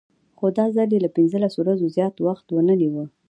خو دا ځل یې له پنځلسو ورځو زیات وخت ونه نیوه.